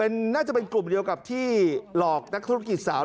น่าจะเป็นกลุ่มเดียวกับที่หลอกนักธุรกิจสาว